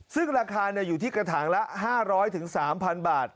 ซึ่งราคาอยู่ที่กระถางละ๕๐๐๓๐๐บาท